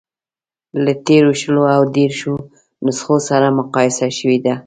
له تېرو شلو او دېرشو نسخو سره مقایسه شوې ده.